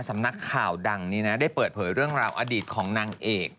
สำนักข่าวดังนี้นะได้เปิดเผยระดิษฐ์ของหลัวนางเอก